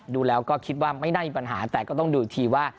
ดูแล้วก็คิดว่าไม่น่ามีปัญหาแต่ก็ต้องดูอีกทีว่า